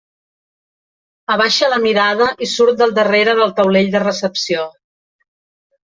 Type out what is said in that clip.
Abaixa la mirada i surt del darrere del taulell de recepció.